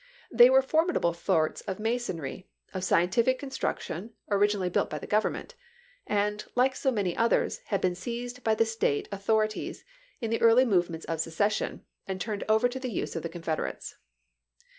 They were for midable forts of masonry, of scientific construc tion, originally built by the Government ; and, like so many others, had been seized by the State au thorities in the early movements of secession, and turned over to the use of the Confederates.